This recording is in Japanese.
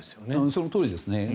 そのとおりですね。